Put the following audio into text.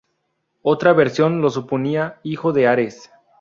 Otra versión lo suponía hijo de Ares.